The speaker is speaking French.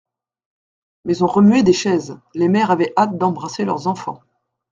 Mais on remuait des chaises ; les mères avaient hâte d'embrasser leurs enfants.